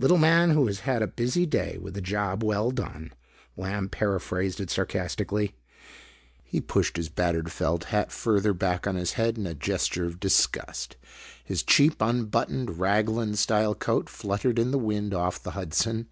"Little man who has had a busy day with a job well done," Lamb paraphrased it sarcastically. He pushed his battered felt hat further back on his head in a gesture of disgust. His cheap unbuttoned raglan style coat fluttered in the wind off the Hudson.